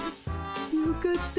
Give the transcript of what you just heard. よかった。